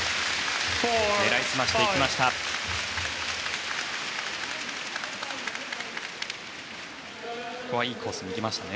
狙い澄ましていきました。